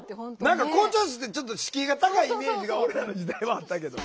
何か校長室ってちょっと敷居が高いイメージが俺らの時代はあったけど。